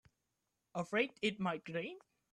Afraid it might rain?